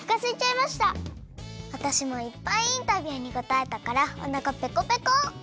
わたしもいっぱいインタビューにこたえたからおなかぺこぺこ！